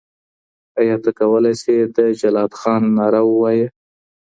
ایا ته کولای شې د جلات خان ناره ووایې؟